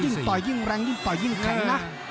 ต่อยยิ่งแรงยิ่งต่อยยิ่งแข็งนะ